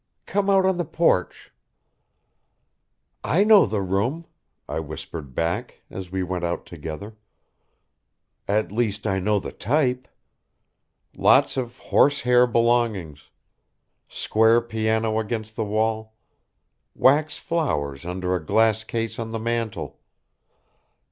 Come out on the porch." "I know the room," I whispered back, as we went out together. "At least I know the type. Lots of horse hair belongings. Square piano against the wall. Wax flowers under a glass case on the mantel.